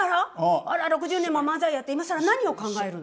あら６０年も漫才やって今更何を考えるの？